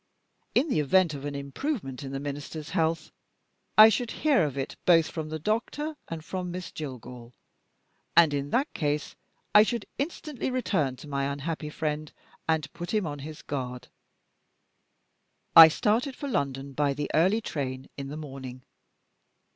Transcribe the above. In the event, of an improvement in the Minister's health, I should hear of it both from the doctor and from Miss Jillgall, and in that case I should instantly return to my unhappy friend and put him on his guard. I started for London by the early train in the morning.